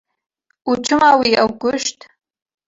Û çima wî ew kuşt?